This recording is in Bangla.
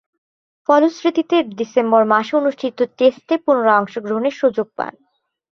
ফলশ্রুতিতে ডিসেম্বর মাসে অনুষ্ঠিত টেস্টে পুনরায় অংশগ্রহণের সুযোগ পান।